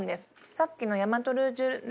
さっきの。